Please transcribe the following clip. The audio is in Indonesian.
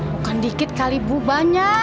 bukan dikit kali bu banyak